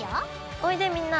おいでみんな！